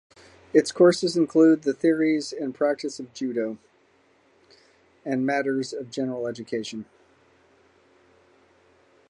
Its courses include the theories and practice of judo, and matters of general education.